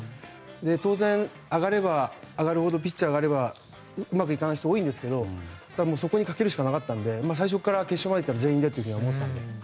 当然、上がれば上がるほどうまくいかない人が多いんですけどそこにかけるしかなかったので最初から決勝まで行ったら全員でと思ってたので。